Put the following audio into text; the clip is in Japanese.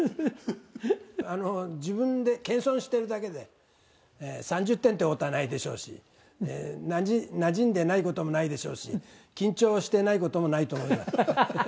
自分で謙遜してるだけで、３０点ってことはないでしょうし、なじんでないこともないでしょうし、緊張してないこともないと思います。